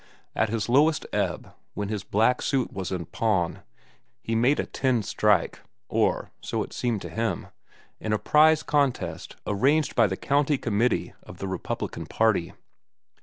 At his lowest ebb, when his black suit was in pawn, he made a ten strike—or so it seemed to him—in a prize contest arranged by the County Committee of the Republican Party.